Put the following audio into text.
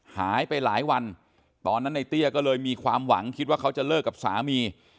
หายไปหลายวันตอนนั้นในเตี้ยก็เลยมีความหวังคิดว่าเขาจะเลิกกับสามี